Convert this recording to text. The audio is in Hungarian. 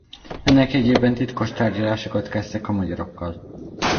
Ennek jegyében titkos tárgyalásokat kezdtek a magyarokkal.